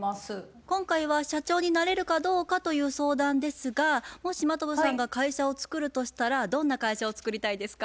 今回は社長になれるかどうかという相談ですがもし真飛さんが会社を作るとしたらどんな会社を作りたいですか？